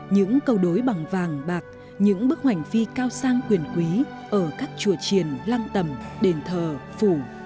những câu đối bằng vàng bạc những bức hoành phi cao sang quyền quý ở các chùa triền lăng tầm đền thờ phủ